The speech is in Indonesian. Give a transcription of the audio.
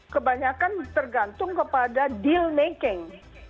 kebanyakan tergantung kepada deal making